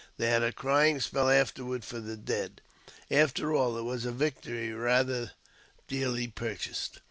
They had a crying spell afterward for the dead. After all, it was a victory rather dearly purchased.